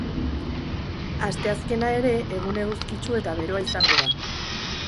Asteazkena ere egun eguzkitsu eta beroa izango da.